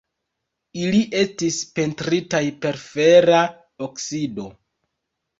Ili estis pentritaj per fera oksido.